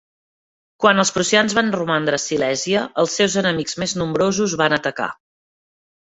Quan els prussians van romandre a Silèsia, els seus enemics més nombrosos van atacar.